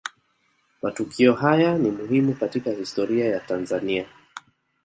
Matukio haya ni muhimu katika historia ya Tanzania